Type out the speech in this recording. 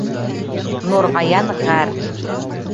Нурғаян ғәр.